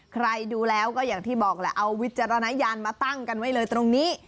ใครดูแล้วก็อย่างที่บอกแหละเอาวิจารณญาณมาตั้งกันไว้เลยตรงนี้